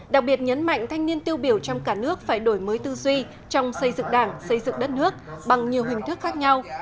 đặc biệt nhấn mạnh thanh niên tiêu biểu trong cả nước phải đổi mới tư duy trong xây dựng đảng xây dựng đất nước bằng nhiều hình thức khác nhau